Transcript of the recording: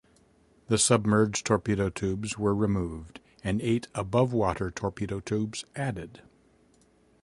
The submerged torpedo tubes were removed and eight above-water torpedo tubes added.